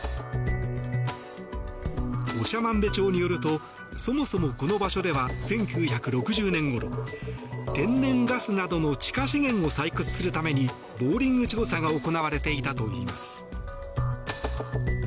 長万部町によるとそもそも、この場所では１９６０年ごろ、天然ガスなどの地下資源を採掘するためにボーリング調査が行われていたといいます。